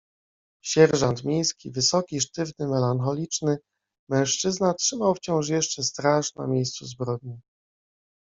"Sierżant miejski, wysoki, sztywny, melancholiczny mężczyzna trzymał wciąż jeszcze straż na miejscu zbrodni."